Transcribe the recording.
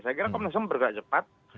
saya kira komnas ham bergerak cepat